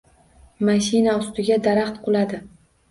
Mashina ustiga daraxt quladi